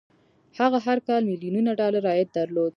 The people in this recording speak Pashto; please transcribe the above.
هغه هر کال ميليونونه ډالر عايد درلود.